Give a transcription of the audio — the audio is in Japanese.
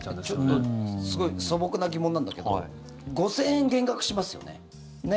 ちょっとすごい素朴な疑問なんだけど５０００円減額しますよね。